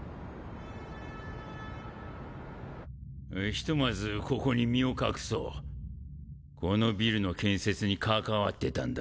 ・ひとまずここに身を隠そう・このビルの建設に関わってたんだ。